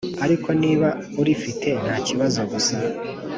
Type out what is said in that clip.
ariko niba urifite ntakibazo gusa